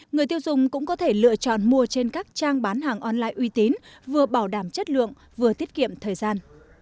người tiêu dùng cũng có thể lựa chọn mua trên các trang bán hàng online uy tín vừa bảo đảm chất lượng vừa tiết kiệm thời gian